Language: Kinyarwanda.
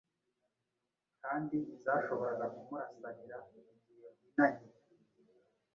kandi zashoboraga kumurasanira igihe ruhinanye.